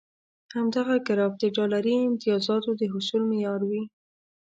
همدغه ګراف د ډالري امتیازاتو د حصول معیار وي.